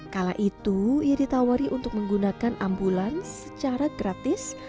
kala itu ia ditawari untuk menggunakan ambulans secara gratis